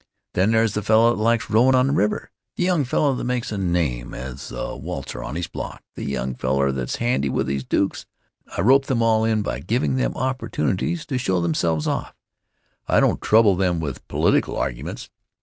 Then there's the feller that likes rowin' on the river, the young feller that makes a name as a waltzer on his block, the young feller that's handy with his dukes I rope them all in by givin' them opportunities to show themselves off. I don't trouble them with political arguments.